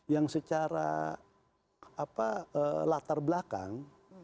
yang secara latar belakang